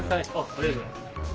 ありがとうございます。